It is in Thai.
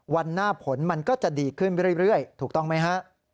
วันหน้าผลมันก็จะดีขึ้นเรื่อยถูกต้องไหมฮะ